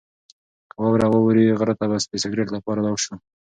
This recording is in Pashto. که واوره ووري، غره ته به د سکرت لپاره لاړ شو.